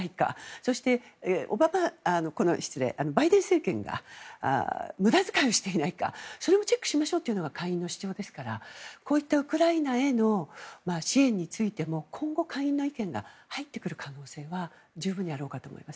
そして、バイデン政権が無駄遣いをしていないかそれをチェックしましょうというのが下院の主張ですからこういったウクライナへの支援についても今後、下院の意見が入ってくる可能性は十分にあろうかと思います。